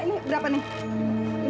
ya ini berapa nih